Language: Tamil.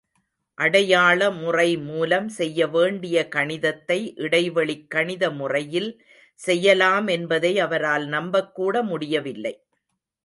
அடையாள முறை மூலம் செய்ய வேண்டிய கணிதத்தை இடைவெளிக்கணித முறையில் செய்யலாம் என்பதை அவரால் நம்பக்கூட முடியவில்லை.